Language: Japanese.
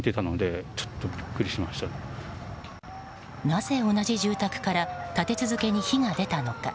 なぜ同じ住宅から立て続けに火が出たのか。